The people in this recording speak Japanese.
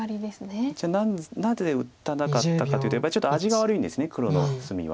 じゃあなぜ打たなかったかというとやっぱりちょっと味が悪いんです黒の隅は。